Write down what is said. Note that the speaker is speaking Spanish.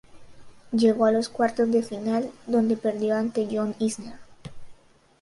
Llegó a los cuartos de final, donde perdió ante John Isner.